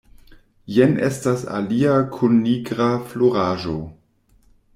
Jen estas alia kun nigra floraĵo.